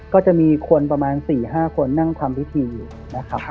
ก็จะมีคนประมาณ๔๕คนนั่งทำพิธีอยู่นะครับ